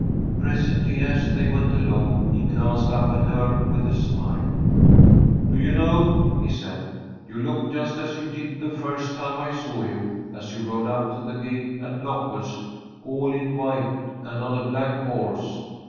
Presently, as they went along, he glanced up at her with a smile. "Do you know," he said, "you look just as you did the first time I saw you, as you rode up to the gate at Locust, all in white, and on a black horse.